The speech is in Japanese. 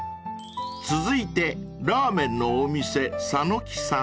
［続いてラーメンのお店］